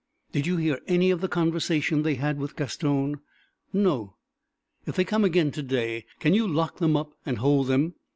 "Did you hear any of the conversation they had with Gaston?" "No." "If they come again to day can you lock them up and hold them?"